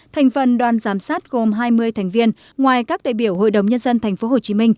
thành phần đoàn giám sát gồm hai mươi thành viên ngoài các đại biểu hội đồng nhân dân tp hcm